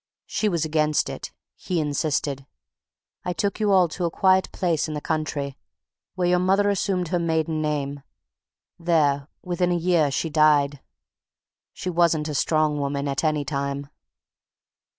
She was against it; he insisted. I took you all to a quiet place in the country, where your mother assumed her maiden name. There, within a year, she died. She wasn't a strong woman at any time.